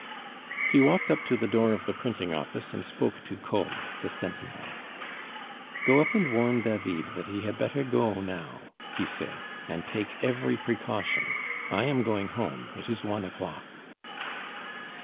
He walked up to the door of the printing office and spoke to Kolb, the sentinel. "Go up and warn David that he had better go now," he said, "and take every precaution. I am going home; it is one o'clock."